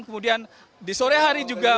kemudian di sore hari juga